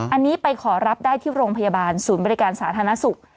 อันนี้ไปขอรับได้ที่โรงพยาบาลศูนย์บริการสาธารณสุข